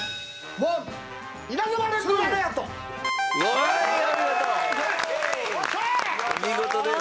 お見事です。